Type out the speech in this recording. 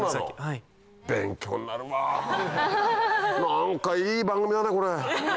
何かいい番組だねこれ。